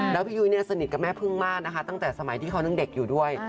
แล้วพี่ยุ้ยเนี่ยสนิทกับแม่พึ่งมากนะคะตั้งแต่สมัยที่เขายังเด็กอยู่ด้วย